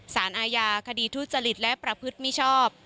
สารอาญาคดีทุจริตและประพฤติมิชอบ